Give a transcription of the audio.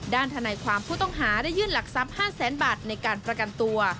ด้านธนัยความผู้ต้องหาได้ยื่นหลักซ้ำ๕แสนบาทในการประกันตัว